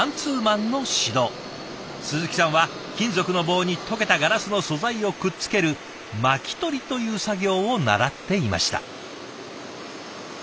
鈴木さんは金属の棒に溶けたガラスの素材をくっつける巻き取りという作業を習っていました。